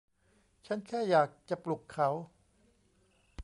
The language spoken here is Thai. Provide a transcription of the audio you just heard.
ฉันแค่อยากจะปลุกเขา